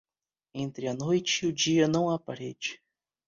Entre a noite e o dia não há parede.